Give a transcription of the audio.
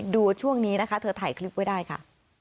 ดูช่วงนี้นะคะเธอถ่ายคลิปไว้ได้ค่ะ